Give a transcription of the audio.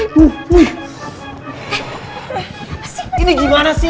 eh eh sih ini gimana sih